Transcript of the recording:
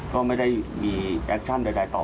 ก็เลยเอาเบอร์ไปค้นในไลน์